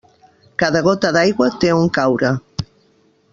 Cada gota d'aigua té on caure.